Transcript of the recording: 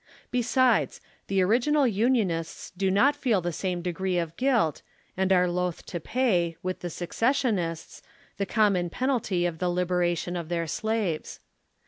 Besides, the original Unionists do not feel the same degree of guilt, and are loth to pay, with the secessionists, the com mon penalty of the liberation of their slaves.